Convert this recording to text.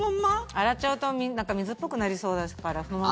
洗っちゃうと水っぽくなりそうだからそのまま。